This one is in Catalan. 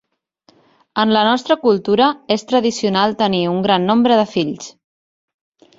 En la nostra cultura, és tradicional tenir un gran nombre de fills.